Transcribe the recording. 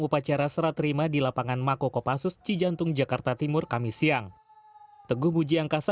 upacara seraterima di lapangan mako kopassus cijantung jakarta timur kami siang teguh mujiangkasa